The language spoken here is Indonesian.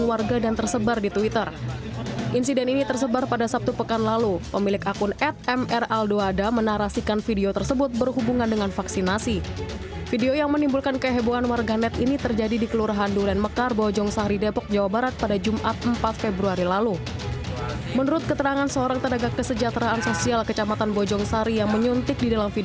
assalamualaikum warahmatullahi wabarakatuh